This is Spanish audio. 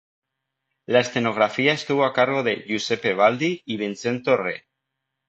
La escenografía estuvo a cargo de Giuseppe Baldi y Vincenzo Re.